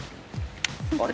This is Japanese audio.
あれ？